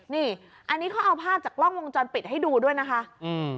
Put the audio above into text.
นี่อันนี้เขาเอาภาพจากกล้องวงจรปิดให้ดูด้วยนะคะอืม